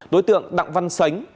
đối tượng đặng văn sánh